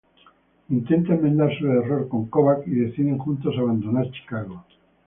Intenta enmendar su error con Kovač, y deciden juntos abandonar Chicago.